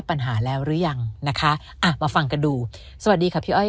ปัญหาแล้วหรือยังนะคะอ่ะมาฟังกันดูสวัสดีค่ะพี่อ้อย